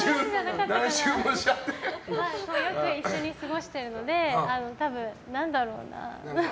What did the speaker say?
よく一緒に過ごしているので何だろうな。